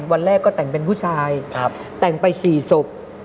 วันแรกก็แต่งเป็นผู้ชายแต่งไป๔ศพ